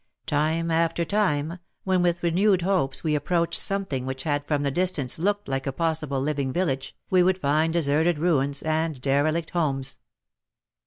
Time after time, when with renewed hopes we approached something which had from the distance looked like a possible living village, we would find deserted ruins and derelict homes.